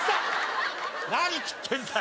何食ってんだよ？